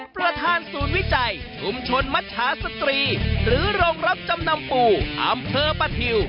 ประธานศูนย์วิจัยชุมชนมัชชาสตรีหรือโรงรับจำนำปู่อำเภอปะทิว